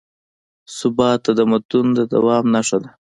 ثبات د تمدن د دوام نښه ده.